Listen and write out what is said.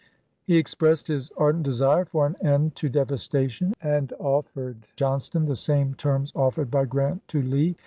He expressed his ardent desire for an end to devastation, and offered Johnston the same terms offered by Grant to Lee.